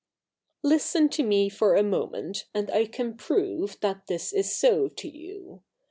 ' Listen to me for a moment and I can prove that this is so to you.